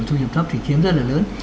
và thu nhập thấp thì kiếm rất là lớn